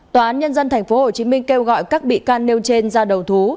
tòa án nhân dân tp hcm kêu gọi các bị can nêu trên ra đầu thú